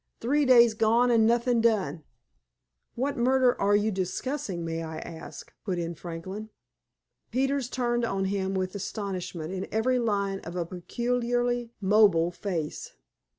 Three days gone, and nothing done!" "What murder are you discussing, may I ask?" put in Franklin. Peters turned on him with astonishment in every line of a peculiarly mobile face.